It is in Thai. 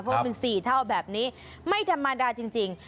เพราะว่ามัน๔เท่าแบบนี้ไม่ธรรมดาจริง